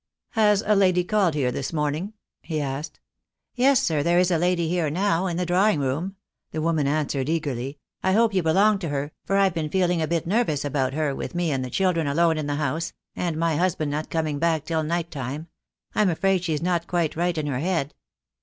"Has a lady called here this morning?" he asked. "Yes, sir, there is a lady here now — in the drawing room," the woman answered, eagerly. "I hope you be long to her, for I've been feeling a bit nervous about her, THE DAY WILL COME. 249 with me and the children alone in the house, and my husband not coming back till night time. I'm afraid she's not quite right in her head."